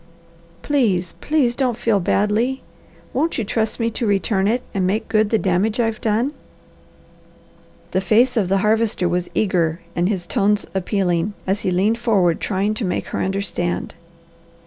Please, please don't feel badly. Won't you trust me to return it, and make good the damage I've done?" The face of the Harvester was eager and his tones appealing, as he leaned forward trying to make her understand.